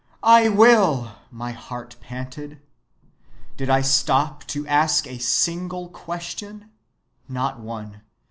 'I will,' my heart panted. Did I stop to ask a single question? Not one.